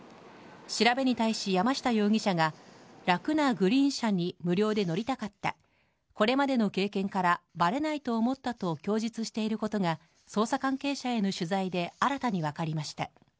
調べに対し、山下容疑者が、楽なグリーン車に無料で乗りたかった、これまでの経験からばれないと思ったと供述していることが、捜査関係者への取材で新たに分かりました。